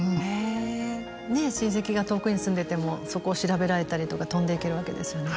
ねえ親戚が遠くに住んでてもそこを調べられたりとか飛んでいけるわけですよね。